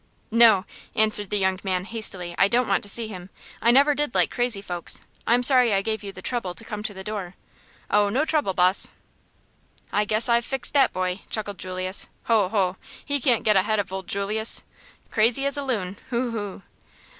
"No," answered the young man, hastily. "I don't want to see him. I never did like crazy folks. I'm sorry I gave you the trouble to come to the door." "Oh, no trouble, boss." "I guess I've fixed dat boy!" chuckled Julius. "Ho, ho! he can't get ahead of old Julius! Crazy as a loon, ho, ho!"